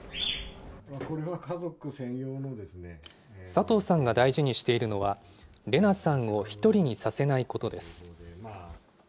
佐藤さんが大事にしているのは、レナさんを一人にさせないことです。